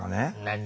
何？